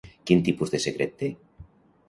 Quin tipus de secret té?